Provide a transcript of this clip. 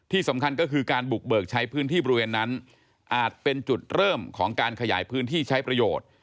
ที่สำคัญก็คือการบุกเบิกใช้พื้นที่บริเวณนั้นอาจเป็นจุดเริ่มของการขยายพื้นที่ใช้ประโยชน์